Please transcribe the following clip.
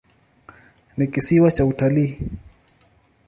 Ni kisiwa cha utalii.